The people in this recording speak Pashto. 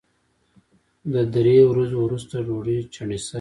د درې ورځو وروسته ډوډۍ چڼېسه نیسي